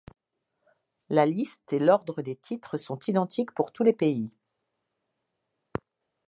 La liste et l'ordre des titres sont identiques pour tous les pays.